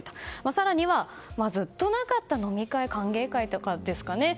更にはずっとなかった飲み会、歓迎会とかですかね。